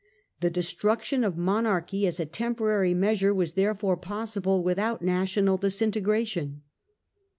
The destruction of monarchy, as a temporary measure, was therefore possible without national disintegration.